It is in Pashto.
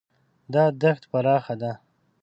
دا دښت پراخه ده.